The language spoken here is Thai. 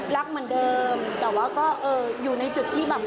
รักเหมือนเดิมแต่ว่าก็อยู่ในจุดที่แบบ